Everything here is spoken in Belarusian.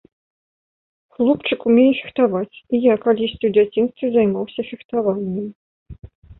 Хлопчык умее фехтаваць, і я калісьці ў дзяцінстве займаўся фехтаваннем.